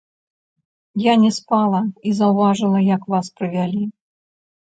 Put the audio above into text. Я не спала і заўважыла, як вас прывялі.